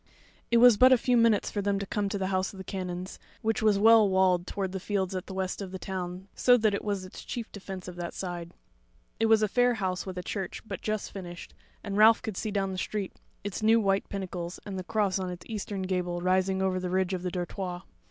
It was but a few minutes for them to come to the House of the Canons, which was well walled toward the fields at the west of the town, so that it was its chief defence of that side. It was a fair house with a church but just finished, and Ralph could see down the street its new white pinnacles and the cross on its eastern gable rising over the ridge of the dortoir.